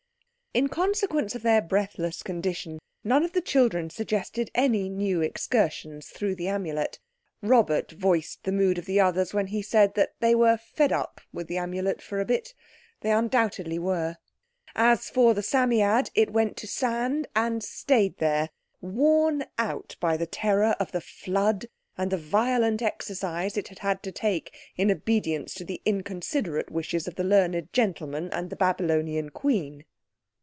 In consequence of their breathless condition none of the children suggested any new excursions through the Amulet. Robert voiced the mood of the others when he said that they were "fed up" with Amulet for a bit. They undoubtedly were. As for the Psammead, it went to sand and stayed there, worn out by the terror of the flood and the violent exercise it had had to take in obedience to the inconsiderate wishes of the learned gentleman and the Babylonian queen.